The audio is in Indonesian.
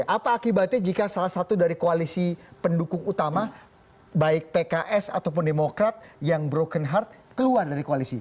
apa akibatnya jika salah satu dari koalisi pendukung utama baik pks ataupun demokrat yang broken heart keluar dari koalisi